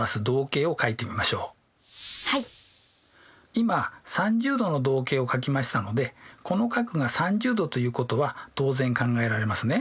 今３０°の動径を書きましたのでこの角が３０°ということは当然考えられますね？